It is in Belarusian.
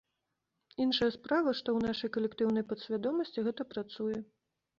Іншая справа, што ў нашай калектыўнай падсвядомасці гэта працуе.